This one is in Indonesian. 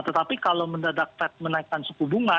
tetapi kalau mendadak fed menaikkan suku bunga